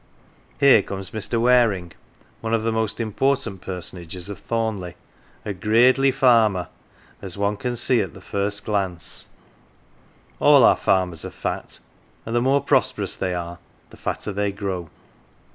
Here comes Mr. Waring, one of the most important personages of Thornleigh ;" a gradely farmer " as one can see at the first glance. All our farmers are fat, and the more prosperous they are, the fatter they grow.